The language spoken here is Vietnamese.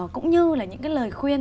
cũng như là những cái lời khuyên